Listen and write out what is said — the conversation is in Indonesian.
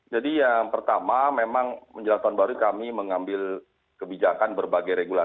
jadi yang pertama memang menjelaskan baru kami mengambil kebijakan berbagai regulasi